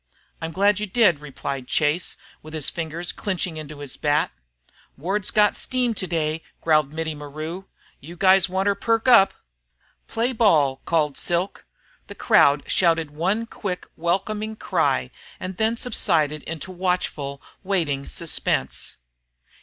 "I'm glad you did," replied Chase, with his fingers clenching into his bat. "Ward's got steam today," growled Mittie maru. "You guys want 'er perk up!" "Play ball!" called Silk. The crowd shouted one quick welcoming cry and then subsided into watchful waiting suspense.